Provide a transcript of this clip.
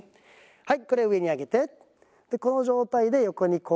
はい。